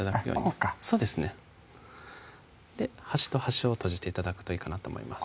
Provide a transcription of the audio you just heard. こうかそうですね端と端を閉じて頂くといいかなと思います